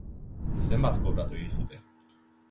Zenbat kobratu dizute?